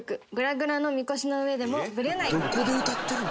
どこで歌ってるの？